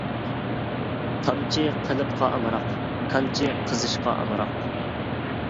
تامچى قېلىپقا ئامراق، كانچى قېزىشقا ئامراق.